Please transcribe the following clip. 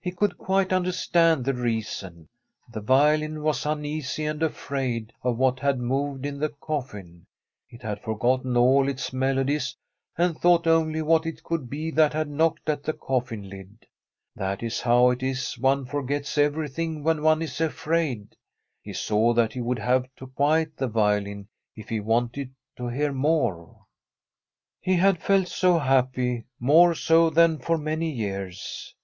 He could quite understand the reason. The violin was uneasy and afraid of what had moved in the coffin. .It had forgotten all its melodies, and thought only of what it could be that had knocked at the coffin lid. That is how it is one forgets everything when one is afraid. He Tbi STORY of a COUNTRY HOUSE saw that he would have to quiet the violin if he wanted to hear more. He had felt so happy, more so than for many years.